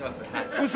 ウソ！